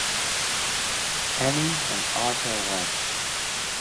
Annie and Arthur went.